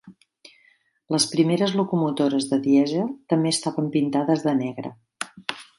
Les primeres locomotores de dièsel també estaven pintades de negre.